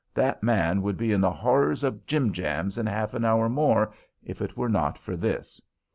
That man would be in the horrors of jim jams in half an hour more if it were not for this."